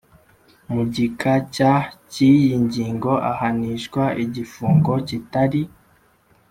Mu gika cya cy iyi ngingo ahanishwa igifungo kitari